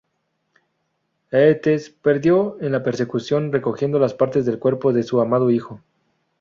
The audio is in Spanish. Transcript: Eetes, perdió en la persecución recogiendo las partes del cuerpo de su amado hijo.